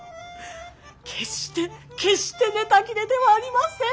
決して決してネタ切れではありません。